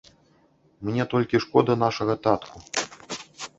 Мне толькі шкода нашага татку.